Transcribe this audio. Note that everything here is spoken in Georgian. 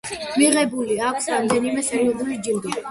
მიღებული აქვს რამდენიმე სერიოზული ჯილდო.